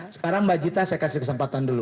sekarang mbak jita saya kasih kesempatan dulu